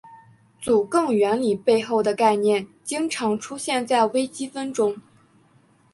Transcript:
祖暅原理背后的概念经常出现在微积分中。